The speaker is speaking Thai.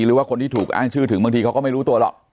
หรือว่าคนที่ถูกอ้างชื่อถึงบางทีเขาก็ไม่รู้ตัวหรอก